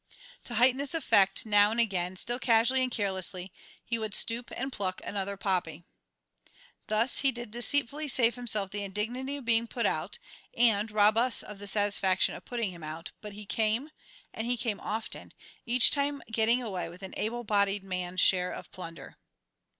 To heighten this effect, now and again, still casually and carelessly, he would stoop and pluck another poppy. Thus did he deceitfully save himself the indignity of being put out, and rob us of the satisfaction of putting him out, but he came, and he came often, each time getting away with an able bodied man's share of plunder.